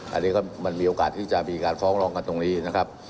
อันนี้ก็มันมีโอกาสที่จะมีการฟ้องร้องกันตรงนี้นะครับ